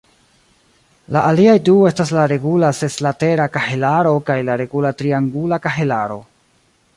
La aliaj du estas la regula seslatera kahelaro kaj la regula triangula kahelaro.